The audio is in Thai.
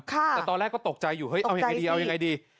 แต่ตอนแรกก็ตกใจอยู่เอาอย่างไรดี